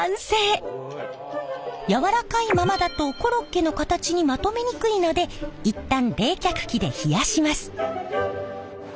やわらかいままだとコロッケの形にまとめにくいので一旦冷却機で冷やします。